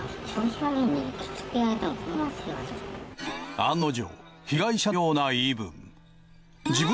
案の定被害者のような言い分。